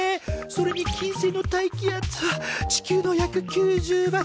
それに金星の大気圧は地球の約９０倍！